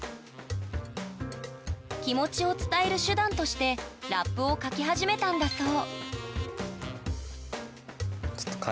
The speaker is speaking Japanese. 気持ちを伝える手段としてラップを書き始めたんだそう